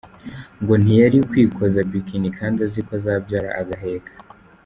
Ngo ntiyari kwikoza Bikini kandi aziko azabyara agaheka.